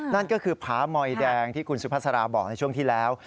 นั่นก็คือผามอยแดงที่คุณสุภาษาราบอกในช่วงที่แล้ว